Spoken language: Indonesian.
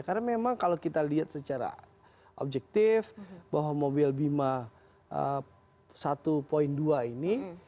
karena memang kalau kita lihat secara objektif bahwa mobil bima satu dua ini mirip